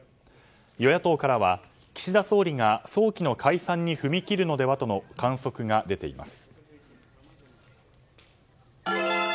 与野党からは岸田総理が早期の解散に踏み切るのではとの観測が出ています。